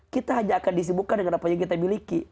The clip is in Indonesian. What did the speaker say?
kita hanya akan disibukkan dengan apa yang kita miliki